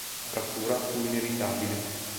La frattura fu inevitabile.